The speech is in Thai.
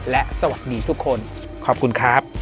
และสวัสดีทุกคนขอบคุณครับ